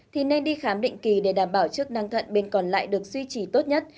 thì nên đi khám định kỳ để đảm bảo chức năng thận bên còn lại được duy trì tốt nhất